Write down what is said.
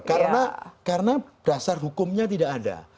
karena karena dasar hukumnya tidak ada